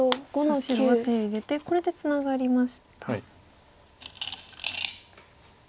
さあ白は手を入れてこれでツナがりました。